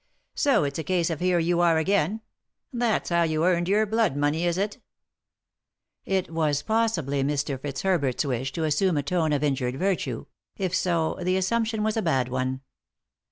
" So it's a case of here you are again — that's how you earned your blood money, is it ?" It was possibly Mr. Fitzherbert's wish to assume a tone of injured virtue ; if so, the assumption was a bad one.